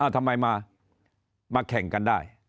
ทำไมมาแข่งกันได้